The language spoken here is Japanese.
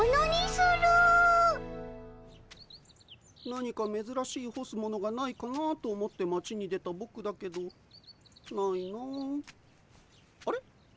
何かめずらしいほすものがないかなと思って町に出たぼくだけどないなああれ？